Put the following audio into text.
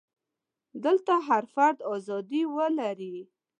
دلته هر فرد ازادي ولري.